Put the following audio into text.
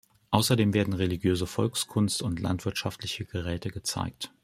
Außerdem werden religiöse Volkskunst und landwirtschaftliche Geräte gezeigt.